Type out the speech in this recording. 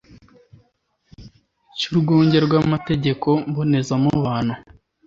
cy'urwunge rw'amategeko mbonezamubano